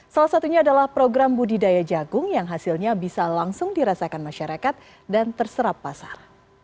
salah satunya adalah program budidaya jagung yang hasilnya bisa langsung dirasakan masyarakat dan terserap pasar